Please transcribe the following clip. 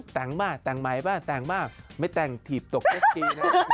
ตั้งปะตั้งไมร์ปะไม่ตั้งถีบตกเฉ็ดที